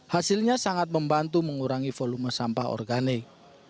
hasilnya sangat membantu mengurangi volume sampah organik